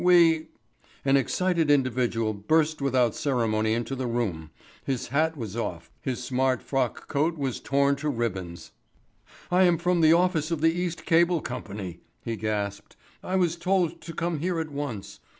We " An excited individual burst without ceremony into the room. His hat was off; his smart frock coat was torn to ribands. "I am from the office of the East Cable Company," he gasped. "I was told to come here at once.